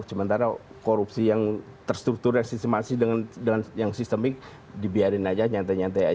sementara korupsi yang terstrukturasi dengan yang sistemik dibiarin saja nyantai nyantai saja